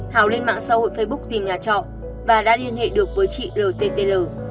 hào lên mạng xã hội facebook tìm nhà trọ và đã liên hệ được với chị rtl